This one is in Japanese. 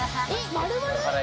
丸々？